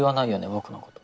僕のこと。